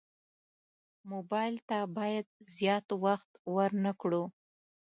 موبایل ته باید زیات وخت ورنه کړو.